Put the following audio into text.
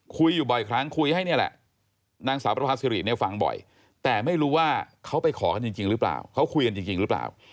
คุยอยู่บ่อยครั้งคุยให้นี่แหละนางสาวประภาษีเนี่ยฟังบ่อยแต่ไม่รู้ว่าเขาไปขอกันจริงหรือเปล่าเขาคุยกันจริงหรือเปล่า